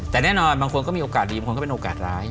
แต่แน่นอนบางคนก็มีโอกาสดีบางคนก็เป็นโอกาสร้าย